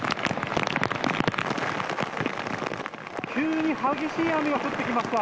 急に激しい雨が降ってきました。